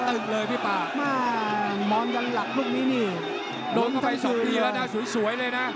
ตึกเลยพี่ป่ามากมองจันทร์หลักลูกนี้นี่โดนเข้าไปสองทีแล้วน่าสวยสวยเลยน่ะ